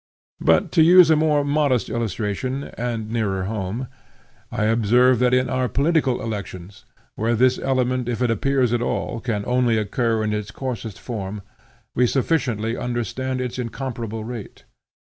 But to use a more modest illustration and nearer home, I observe that in our political elections, where this element, if it appears at all, can only occur in its coarsest form, we sufficiently understand its incomparable rate.